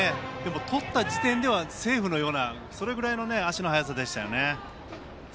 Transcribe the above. とった時点ではセーフのようなそれぐらいの足の速さでした。